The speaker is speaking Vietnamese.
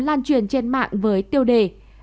lan truyền trên mạng với tiêu đề